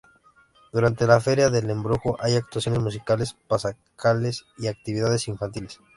Durante la Feria del Embrujo hay actuaciones musicales, pasacalles y actividades infantiles.